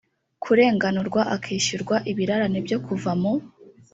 kurenganurwa akishyurwa ibirarane byo kuva mu